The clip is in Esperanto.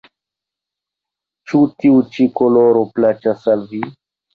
Ĉu tiu ĉi koloro plaĉas al vi?